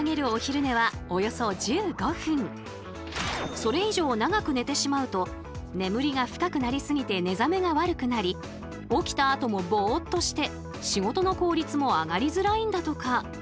それ以上長く寝てしまうと眠りが深くなりすぎて寝覚めが悪くなり起きたあともボッとして仕事の効率も上がりづらいんだとか。